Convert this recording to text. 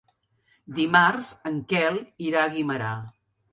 Dimarts en Quel irà a Guimerà.